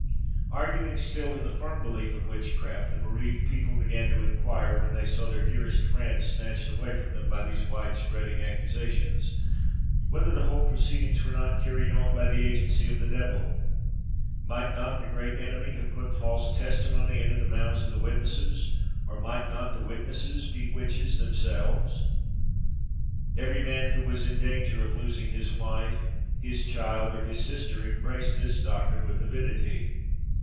Arguing still in the firm belief of witchcraft, the bereaved people began to inquire, when they saw their dearest friends snatched away from them by these wide spreading accusations, whether the whole proceedings were not carried on by the agency of the devil. Might not the great enemy have put false testimony into the mouths of the witnesses, or might not the witnesses be witches themselves? Every man who was in danger of losing his wife, his child, or his sister, embraced this doctrine with avidity.